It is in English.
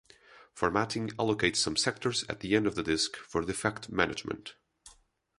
Formatting allocates some sectors at the end of the disk for defect management.